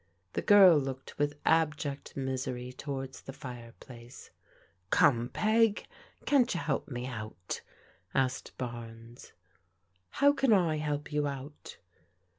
The girl looked with abject misery towards the fire place. " Come^ Peg, can't you help me out ?" asked Barnes. " How can I help you out